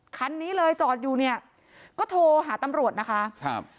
คันนี้เลยจอดอยู่เนี่ยก็โทรหาตำรวจนะคะครับ